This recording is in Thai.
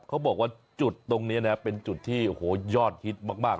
เขาบอกว่าจุดตรงนี้นะเป็นจุดที่โอ้โหยอดฮิตมาก